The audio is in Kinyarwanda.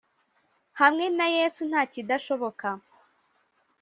hamwe na Yesu nta kidashoboka